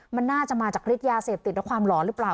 มันน่าจะมาจากฤทธิยาเสพติดและความหลอนหรือเปล่า